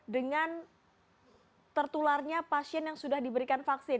dengan tertularnya pasien yang sudah diberikan vaksin